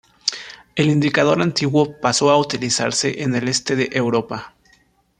El indicador antiguo pasó a utilizarse en el este de Europa.